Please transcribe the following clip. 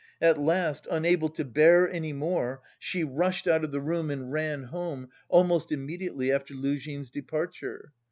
At last, unable to bear any more, she rushed out of the room and ran home, almost immediately after Luzhin's departure.